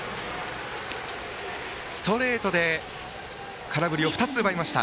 ストレートで空振りを２つ奪いました。